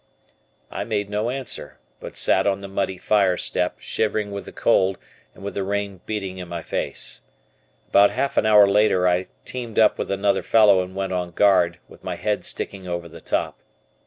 I made no answer, but sat on the muddy fire step, shivering with the cold and with the rain beating in my face. About half an hour later I teamed up with another fellow and went on guard with my head sticking over the top.